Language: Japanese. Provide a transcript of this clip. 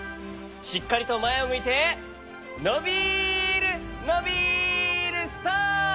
しっかりとまえをむいてのびるのびるストップ！